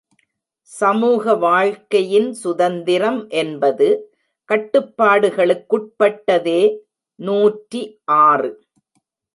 சமூக வாழ்க்கையின் சுதந்திரம் என்பது கட்டுப்பாடுகளுக்குட்பட்டதே! நூற்றி ஆறு.